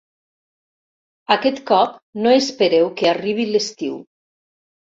Aquest cop no espereu que arribi l'estiu.